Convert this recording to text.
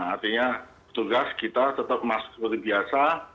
artinya tugas kita tetap masuk seperti biasa